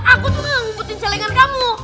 aku tuh gak ngumpetin celingan kamu